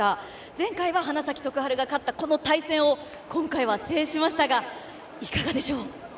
前回は花咲徳栄が勝ったこの対戦を今回は制しましたがいかがでしょう？